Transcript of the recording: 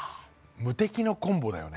無敵のコンボだよね。